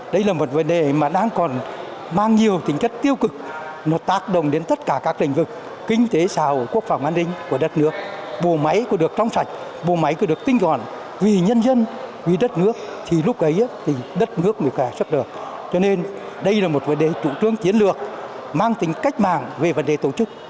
đây là một vấn đề trụ trương chiến lược mang tính cách mạng về vấn đề tổ chức